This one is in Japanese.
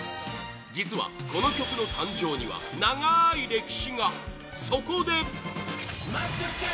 実は、この曲の誕生には長い歴史が！